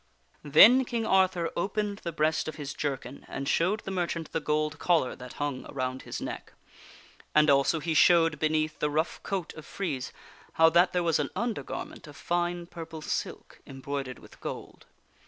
Then King Arthur opened the breast of his jerkin and showed the mer chant the gold collar that hung around his neck. And also he showed be neath the rough coat of frieze how that there was an undergarment of fine purple silk embroidered with gold.